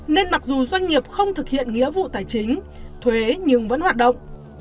nên mặc dù doanh nghiệp không thực hiện nghĩa vụ tài chính thuế nhưng vẫn hoạt động